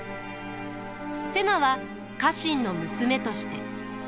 瀬名は家臣の娘として。